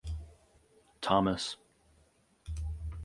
Thomas.